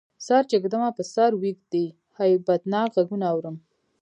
سر چی ږدمه په سر ویږدی، هیبتناک غږونه اورم